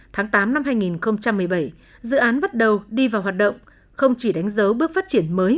tháng tám năm hai nghìn một mươi bảy dự án bắt đầu đi vào hoạt động không chỉ đánh dấu bước phát triển mới